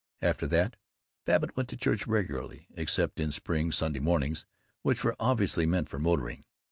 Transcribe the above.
After that, Babbitt went to church regularly, except on spring Sunday mornings which were obviously meant for motoring.